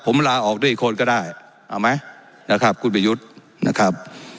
ผมลาออกด้วยอีกคนก็ได้เอาไหมนะครับคุณประยุทธ์นะครับ